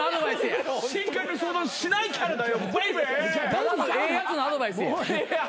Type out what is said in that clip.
ただのええやつのアドバイスや。